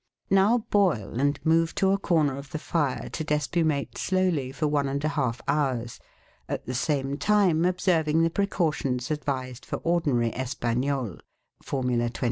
Now boil and move to a corner of the fire to despumate slowly for one and a half hours, at the same time observing the precautions advised for ordinary Espagnole (Formula 22).